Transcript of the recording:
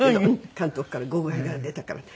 「監督から号外が出たから読んで」。